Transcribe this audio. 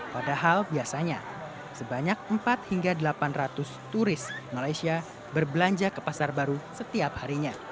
padahal biasanya sebanyak empat hingga delapan ratus turis malaysia berbelanja ke pasar baru setiap harinya